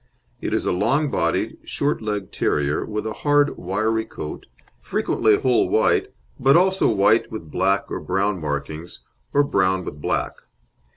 It is a long bodied, short legged terrier, with a hard, wiry coat, frequently whole white, but also white with black or brown markings or brown with black.